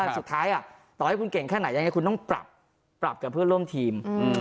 สุดท้ายต่อให้คุณเก่งแค่ไหนยังไงคุณต้องปรับกับเพื่อนร่วมทีม